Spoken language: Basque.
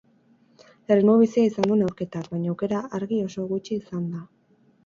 Erritmo bizia izan du neurketak, baina aukera argi oso gutxi izan dira.